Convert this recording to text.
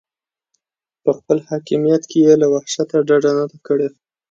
په خپل حاکمیت کې یې له وحشته ډډه نه ده کړې.